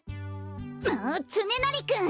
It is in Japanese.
もうつねなりくん！